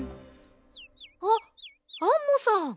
あっアンモさん。